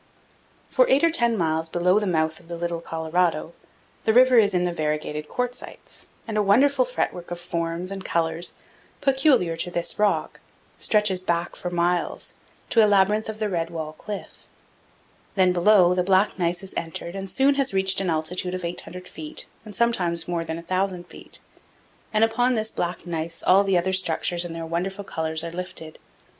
For 8 or 10 miles below the mouth of the Little Colorado, the river is in the variegated quartzites, and a wonderful fretwork of forms and colors, peculiar to this rock, stretches back for miles to a labyrinth of the red wall cliff; then below, the black gneiss is entered and soon has reached an altitude of 800 feet and sometimes more than 1,000 feet; and upon this black gneiss all the other structures in their wonderful colors are lifted.